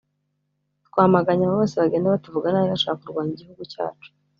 Twamaganye abo bose bagenda batuvuga nabi bashaka kurwanya igihugu cyacu